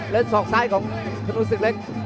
แล้วสอกซ้ายของทะนุสึกเล็ก